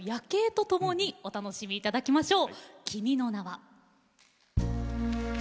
数寄屋橋界わいの夜景とともにお楽しみいただきましょう。